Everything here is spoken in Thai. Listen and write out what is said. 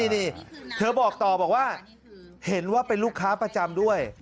นี่เธอบอกต่อบอกว่าเห็นว่าเป็นลูกค้าประจำด้วย